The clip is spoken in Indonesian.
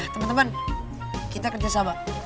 teman teman kita kerja sama